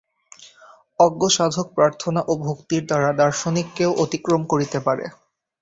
অজ্ঞ সাধক প্রার্থনা ও ভক্তির দ্বারা দার্শনিককেও অতিক্রম করিতে পারে।